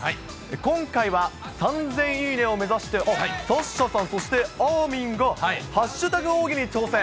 今回は３０００いいねを目指して、サッシャさん、そしてあーみんがハッシュタグ大喜利に挑戦。